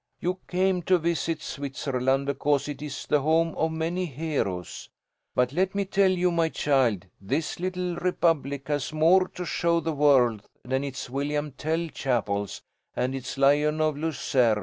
"You came to visit Switzerland because it is the home of many heroes; but let me tell you, my child, this little republic has more to show the world than its William Tell chapels and its Lion of Lucerne.